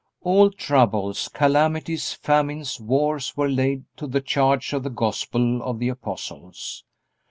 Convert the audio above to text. All troubles, calamities, famines, wars were laid to the charge of the Gospel of the apostles.